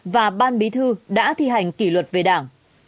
và ban bí thư đã thi hành kỷ luật về đảng